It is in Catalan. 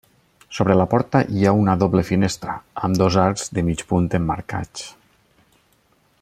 Sobre la porta hi ha una doble finestra, amb dos arcs de mig punt emmarcats.